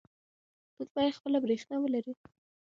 موږ باید خپله برښنا ولرو.